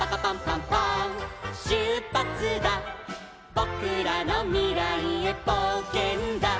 「ぼくらのみらいへぼうけんだ」